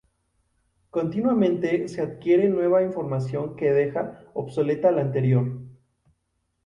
Continuamente se adquiere nueva información que deja obsoleta la anterior.